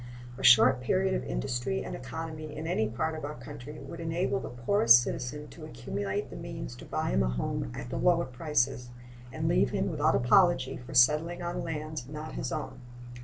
A short period of industry and economy in any part of our country would enable the poorest citizen to accumulate the means to buy him a home at the lower prices, and leave him without apology for settling on lands not his own.